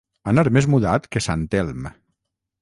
Anar més mudat que sant Elm.